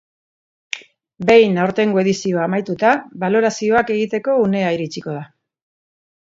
Behin aurtengo edizioa amaituta, balorazioak egiteko unea iritsiko da.